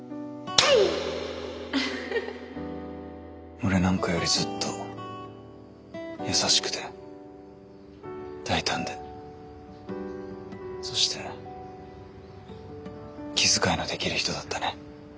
俺なんかよりずっと優しくて大胆でそして気遣いのできる人だったね。